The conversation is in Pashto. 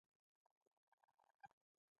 د مالیې غیر عادلانه سیستم ظلم دی.